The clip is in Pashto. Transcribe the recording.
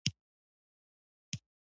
سهار د برکت پیل دی.